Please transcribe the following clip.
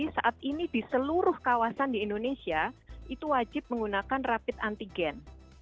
saat ini di seluruh kawasan di indonesia itu wajib menggunakan rapid antigen